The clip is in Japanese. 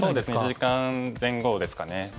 １時間前後ですかね。